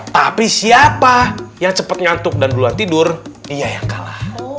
tapi siapa yang cepat nyantuk dan duluan tidur iya yang kalah